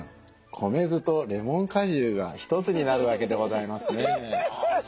米酢とレモン果汁が一つになるわけでございますね。